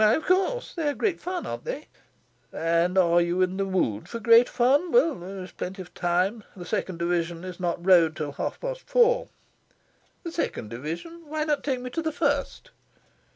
"Why, of course! They are great fun, aren't they?" "And you are in a mood for great fun? Well, there is plenty of time. The Second Division is not rowed till half past four." "The Second Division? Why not take me to the First?"